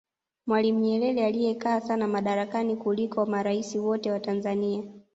mwalimu nyerere aliyekaa sana madarakani kuliko maraisi wote wa tanzania